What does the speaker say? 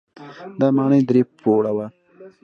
دا ماڼۍ درې پوړه وه.